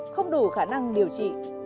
không đủ khả năng điều trị